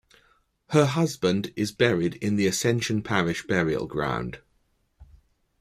Her husband is buried in the Ascension Parish Burial Ground.